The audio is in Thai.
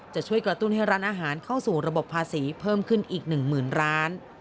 จะช่วยกระตุ้นให้ร้านอาหารเข้าสู่ระบบภาษีเพิ่มขึ้นอีก๑๐๐๐ร้าน